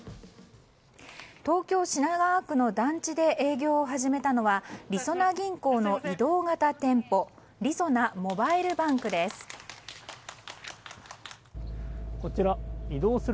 東京・品川区の団地で営業を始めたのはりそな銀行の移動型店舗りそなモバイルバンクです。